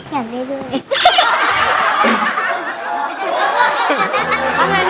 อยากได้ด้วย